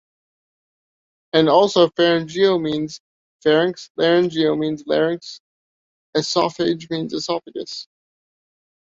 And also "pharyngo" means pharynx, "laryngo" means larynx, "esophag" means esophagus.